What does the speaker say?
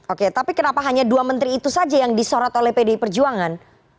oke tapi kenapa hanya dua menteri itu saja yang disorot oleh pdi perjuangan